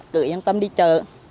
cứ yên tâm đi chợ